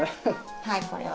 はいこれは。